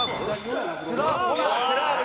「スラーブ？